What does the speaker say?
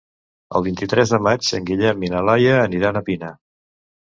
El vint-i-tres de maig en Guillem i na Laia aniran a Pina.